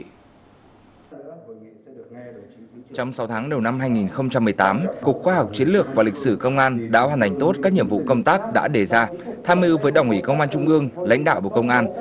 trong sáu tháng đầu năm hai nghìn một mươi tám cục khoa học chiến lược và lịch sử công an đã hoàn thành tốt các nhiệm vụ công tác đã đề ra tham mưu với đảng ủy công an trung ương lãnh đạo bộ công an